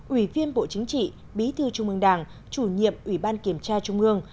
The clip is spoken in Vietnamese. ủy viên bộ chính trị bí thư trung ương đảng chủ nhiệm ủy ban kiểm tra trung ương